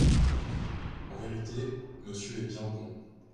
En vérité, Monsieur est bien bon…